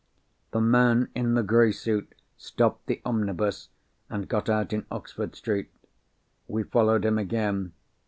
The man in the grey suit stopped the omnibus, and got out in Oxford Street. We followed him again.